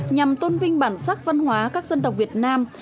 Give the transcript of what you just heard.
nhằm tôn vinh bản sắc văn hóa các dân tộc việt nam